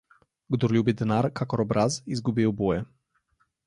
Kdor ljubi denar kakor obraz, izgubi oboje.